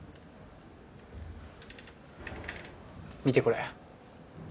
見てこれ。